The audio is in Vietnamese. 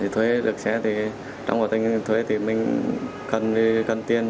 thuê được xe thì trong cuộc tình huyện thuê thì mình cần tiền